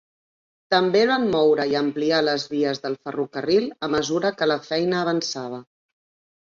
També van moure i ampliar les vies del ferrocarril a mesura que la feina avançava.